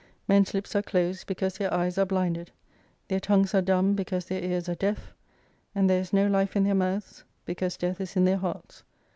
Men's lips are closed because their eyes are blinded : their tongues are dumb because their ears are deaf : and there is no life in their mouths, because death is in their hearts.